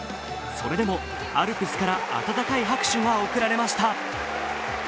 それでも、アルプスから温かい拍手が送られました。